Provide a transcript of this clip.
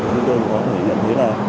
chúng tôi có thể nhận thấy là